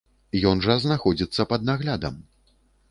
Ён жа знаходзіцца пад наглядам.